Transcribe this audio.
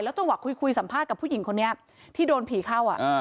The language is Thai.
จังหวะคุยสัมภาษณ์กับผู้หญิงคนนี้ที่โดนผีเข้า